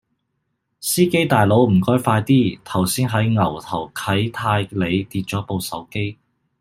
司機大佬唔該快啲，頭先喺牛頭啟泰里跌左部手機